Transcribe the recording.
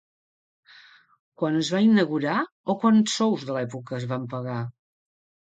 Quan es va inaugurar o quants sous de l’època es van pagar?